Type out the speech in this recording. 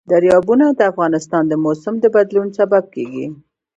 دریابونه د افغانستان د موسم د بدلون سبب کېږي.